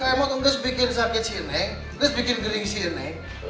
kmu tuh terus bikin sakit sini terus bikin geling sini